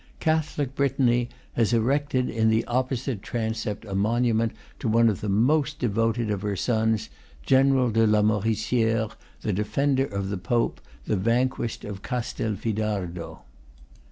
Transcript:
Catholic Brittany has erected in the opposite transept a monument to one of the most devoted of her sons, General de Lamoriciere, the de fender of the Pope, the vanquished of Castelfidardo.